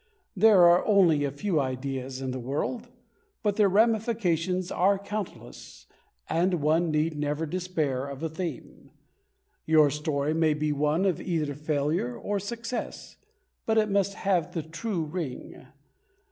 There are only a few ideas in the world, but their ramifications are countless, and one need never despair of a theme. Your story may be one of either failure or success, but it must have the true ring.